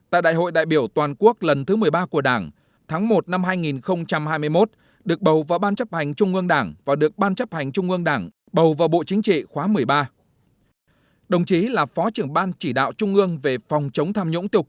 tại đại hội đại biểu toàn quốc lần thứ một mươi ba của đảng tháng một năm hai nghìn hai mươi một được bầu vào ban chấp hành trung ương đảng và được ban chấp hành trung ương đảng bầu vào bộ chính trị khóa một mươi ba